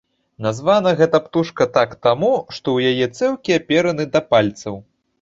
Названа гэта птушка так таму, што ў яе цэўкі апераны да пальцаў.